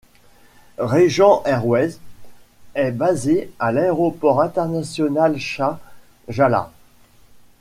Regent Airways est basée à l'Aéroport international Shah Jalal.